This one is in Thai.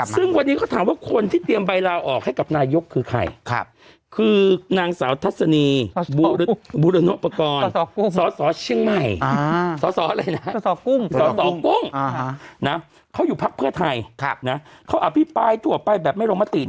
ซึ่งวันนี้เขาถามว่าคนที่เตรียมใบราออกให้กับนายกคือใคร